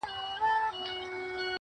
ملت مې اسماعیل شو،